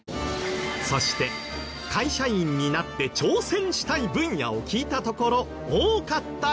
そして会社員になって挑戦したい分野を聞いたところ多かった回答が。